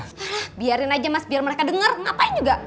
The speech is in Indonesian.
mas biarin aja mas biar mereka denger ngapain juga